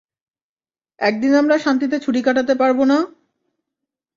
একদিন আমরা শান্তিতে ছুটি কাটাতে পারবো না?